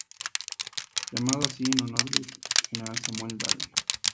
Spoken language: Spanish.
Llamado así en honor del General Samuel Dale.